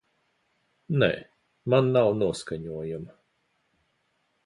Nē, man nav noskaņojuma.